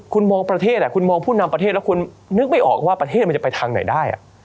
คุณมองประเทศคุณมองผู้นำประเทศแล้วคุณนึกไม่ออกว่าประเทศมันจะไปทางไหนได้